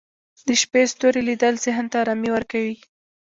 د شپې ستوري لیدل ذهن ته ارامي ورکوي